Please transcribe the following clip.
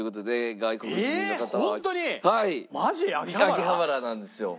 秋葉原なんですよ。